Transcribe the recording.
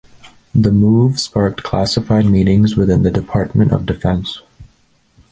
The move sparked classified meetings within the Department of Defense.